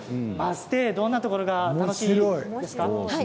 マステ絵、どんなところが楽しいですか？